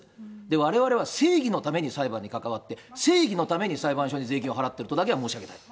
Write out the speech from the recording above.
われわれは正義のために裁判に関わって、正義のために裁判所に税金を払ってるとだけは申し上げたい。